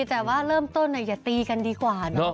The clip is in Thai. แต่ว่าเริ่มต้นอย่าตีกันดีกว่าเนาะ